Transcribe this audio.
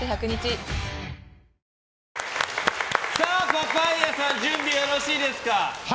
パパイヤさん準備よろしいですか。